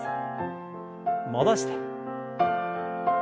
戻して。